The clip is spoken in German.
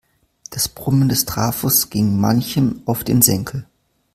Das Brummen des Trafos ging manchem auf den Senkel.